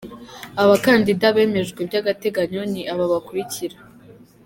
Abakandida bemejwe by’agateganyo ni aba bakurikira:.